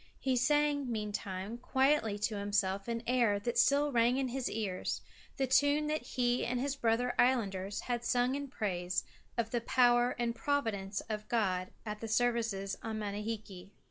He sang, meantime, quietly to himself an air that still rang in his ears, the tune that he and his brother islanders had sung in praise of the Power and Providence of God at the services on Manihiki.